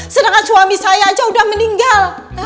sedangkan suami saya aja udah meninggal